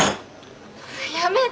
やめて。